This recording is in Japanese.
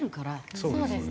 そうですね。